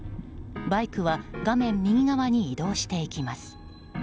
バイクは画面右側に移動していきます。